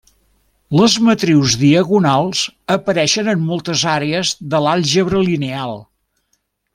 Les matrius diagonals apareixen en moltes àrees de l'àlgebra lineal.